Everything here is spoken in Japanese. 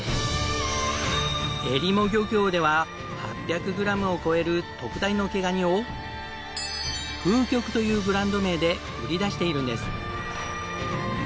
えりも漁協では８００グラムを超える特大の毛ガニを風極というブランド名で売り出しているんです。